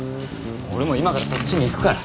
俺も今からそっちに行くから。